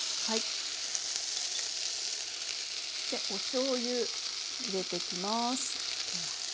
おしょうゆ入れていきます。